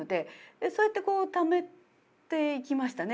そうやってこうためていきましたね。